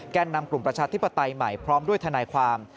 นำกลุ่มประชาธิปไตยใหม่พร้อมด้วยทนายความ